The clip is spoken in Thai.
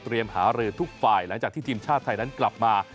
หารือทุกฝ่ายหลังจากที่ทีมชาติไทยนั้นกลับมา